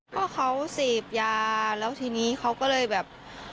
ก็เขาเสพยาแล้วทีนี้เขาก็เลยแบบ